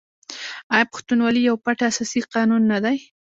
آیا پښتونولي یو پټ اساسي قانون نه دی؟